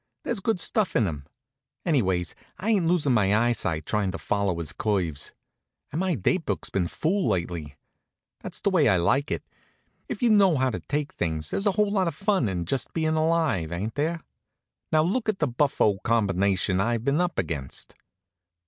There's good stuff in him. Anyways, I ain't losin' my eyesight, tryin' to follow his curves. And my date book's been full lately. That's the way I like it. If you know how to take things there's a whole lot of fun in just bein' alive; ain't there? Now look at the buffo combination I've been up against.